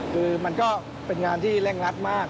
คือมันก็เป็นงานที่เร่งรัดมาก